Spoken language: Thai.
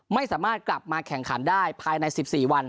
ไม่สามารถกลับมาแข่งขันได้ภายใน๑๔วัน